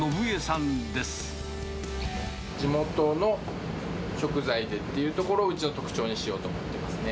地元の食材でっていうところを、うちの特徴にしようと思ってますね。